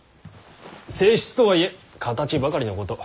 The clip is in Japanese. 正室とはいえ形ばかりのこと。